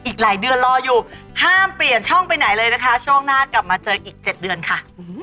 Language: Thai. อีกหลายเดือนรออยู่ห้ามเปลี่ยนช่องไปไหนเลยนะคะช่วงหน้ากลับมาเจออีก๗เดือนค่ะ